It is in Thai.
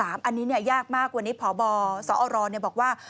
อันนี้ยากมากกว่านี้พบสอรบอกว่า